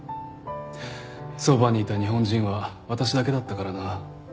そばにいた日本人は私だけだったからな。